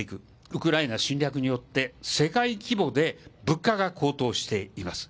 ウクライナ侵略によって世界規模で物価が高騰しています。